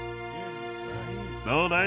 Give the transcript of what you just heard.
どうだい？